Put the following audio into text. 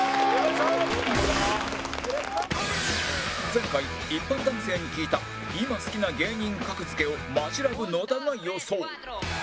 前回一般男性に聞いた今好きな芸人格付けを野田。